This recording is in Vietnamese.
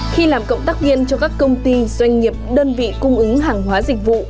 khi làm cộng tác viên cho các công ty doanh nghiệp đơn vị cung ứng hàng hóa dịch vụ